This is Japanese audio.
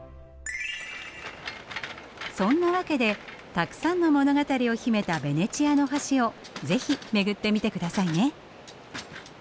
そんなわけでたくさんの物語を秘めたベネチアの橋をぜひ巡ってみて下さいね。